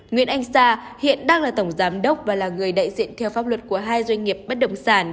nguyễn anh sa hiện đang là tổng giám đốc và là người đại diện theo pháp luật của hai doanh nghiệp bất động sản